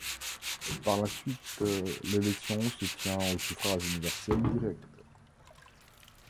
Par la suite, l’élection se tient au suffrage universel direct.